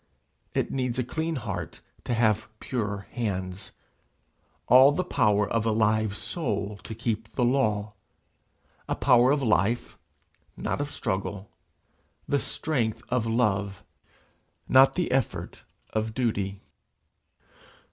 It needs a clean heart to have pure hands, all the power of a live soul to keep the law a power of life, not of struggle; the strength of love, not the effort of duty.